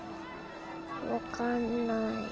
分かんない